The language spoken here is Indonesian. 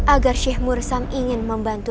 agar syekh murus yang ingin membantu